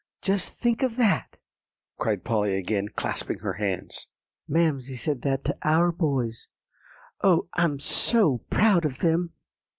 Just think of that," cried Polly again, clasping her hands; "Mamsie said that to our two boys. Oh, I'm so proud of them!"